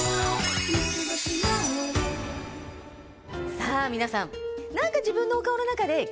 さぁ皆さん。